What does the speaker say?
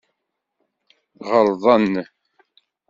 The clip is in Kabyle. Ɣelḍen.